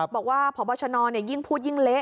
บอกว่าพบชนยิ่งพูดยิ่งเละ